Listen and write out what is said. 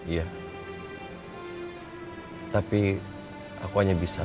kalau aku nggak okey kak